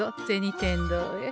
天堂へ。